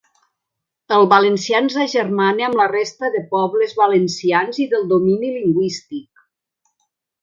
El valencià ens agermana amb la resta de pobles valencians i del domini lingüístic.